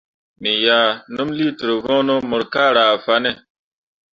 Me ʼyah nəm liiter voŋno mok ka ryah fanne.